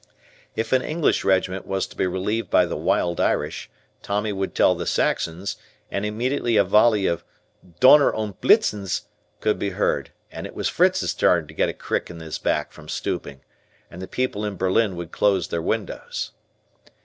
If an English regiment was to be relieved by the wild Irish, Tommy would tell the Saxons, and immediately a volley of "Donner und Blitzen's" could be heard, and it was Fritz's turn to get a crick in his back from stooping, and the people in Berlin would close their windows.